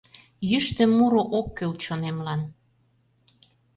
Йӱштӧ муро ок кӱл чонемлан.